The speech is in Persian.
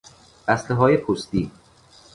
بستههای پستی